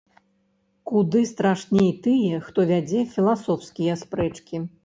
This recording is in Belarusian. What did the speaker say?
Куды страшней тыя, хто вядзе філасофскія спрэчкі.